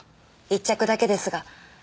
一着だけですが。